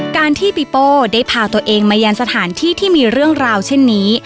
การที่ปีโป้ได้พาตัวเองมายังสถานที่ที่มีเรื่องราวเช่นนี้